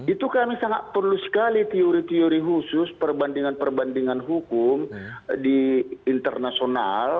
itu kami sangat perlu sekali teori teori khusus perbandingan perbandingan hukum di internasional